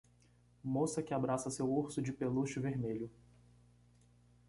Moça que abraça seu urso de peluche vermelho.